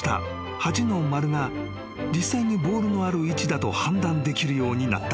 ８の丸が実際にボールのある位置だと判断できるようになった］